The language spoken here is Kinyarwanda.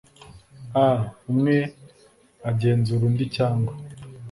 a umwe agenzura undi cyangwa